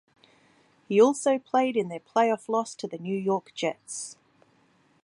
He also played in their playoff loss to the New York Jets.